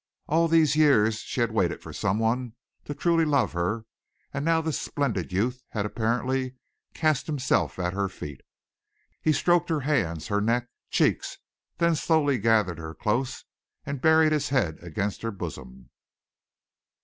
All these years she had waited for someone to truly love her and now this splendid youth had apparently cast himself at her feet. He stroked her hands, her neck, cheeks, then slowly gathered her close and buried his head against her bosom.